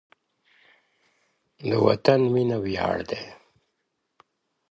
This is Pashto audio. د وطن مینه ویاړ دی.